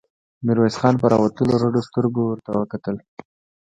ميرويس خان په راوتلو رډو سترګو ورته کتل.